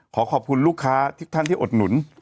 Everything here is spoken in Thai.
ขอขอบคุณลูกค้าทุกท่านที่อุดหนุน